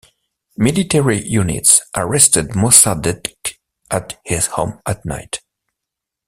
Military units arrested Mossadeq at his home at night.